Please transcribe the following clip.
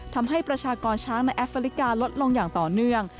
ประชากรช้างในแอฟริกาลดลงอย่างต่อเนื่อง